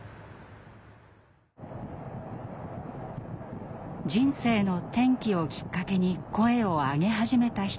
人生の転機をきっかけに声を上げ始めた人もいます。